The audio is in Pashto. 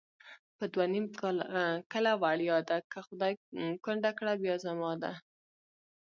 په دوه نیم کله وړیا ده، که خدای کونډه کړه بیا زما ده